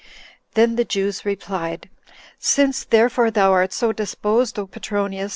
Then the Jews replied, "Since, therefore, thou art so disposed, O Petronius!